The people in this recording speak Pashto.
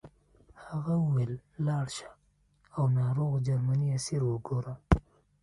هغه وویل چې لاړ شه او ناروغ جرمنی اسیر وګوره